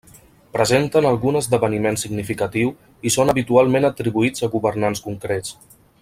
Presenten algun esdeveniment significatiu i són habitualment atribuïts a governants concrets.